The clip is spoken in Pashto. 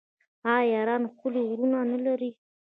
آیا ایران ښکلي غرونه نلري؟